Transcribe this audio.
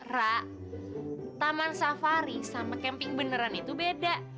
rak taman safari sama camping beneran itu beda